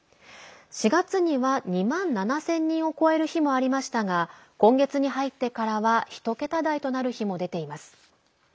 ４月には２万７０００人を超える日もありましたが今月に入ってからは１桁台となる日も出ています。